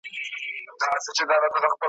قام ته د منظور پښتین ویاړلې ابۍ څه وايي `